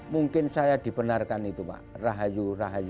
mungkin saya dibenarkan itu pak rahayu rahayu